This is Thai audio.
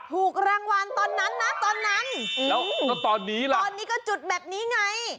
ถูกรางวัลตอนนั้นนะตอนนั้นแล้วก็ตอนนี้ล่ะตอนนี้ก็จุดแบบนี้ไง